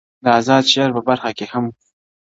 د آزاد شعر په برخه کي هم